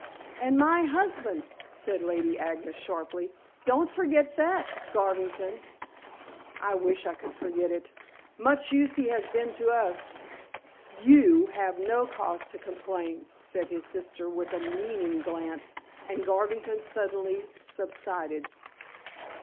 "And my husband," said Lady Agnes sharply. "Don't forget that, Garvington." "I wish I could forget it. Much use he has been to us." "You have no cause to complain," said his sister with a meaning glance, and Garvington suddenly subsided.